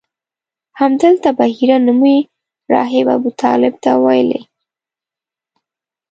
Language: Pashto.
همدلته بحیره نومي راهب ابوطالب ته ویلي.